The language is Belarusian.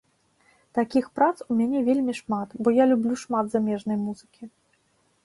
Такіх прац у мяне вельмі шмат, бо я люблю шмат замежнай музыкі.